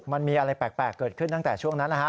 มันมีอะไรแปลกเกิดขึ้นตั้งแต่ช่วงนั้นนะฮะ